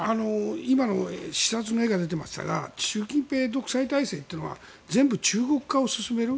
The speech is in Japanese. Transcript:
今の視察の画が出ていましたが習近平独裁体制というのは全部中国化を進める。